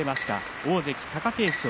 大関貴景勝